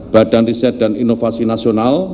badan riset dan inovasi nasional